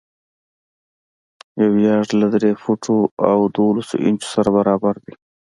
یو یارډ له درې فوټو او دولس انچو سره برابر دی.